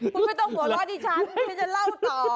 คุณไม่ต้องหัวล้อดิฉันคุณจะเล่าต่อ